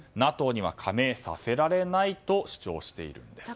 ＮＡＴＯには加盟させられないと主張しているんです。